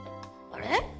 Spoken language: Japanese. あれ？